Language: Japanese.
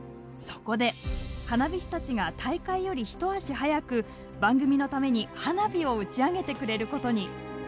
そこで、花火師たちが大会より一足早く番組のために花火を打ち上げてくれることに。